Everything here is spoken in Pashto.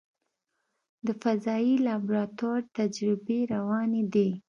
د فضایي لابراتوار تجربې روانې دي.